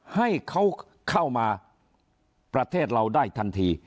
ให้เขาเข้ามาประเทศเราได้ทันที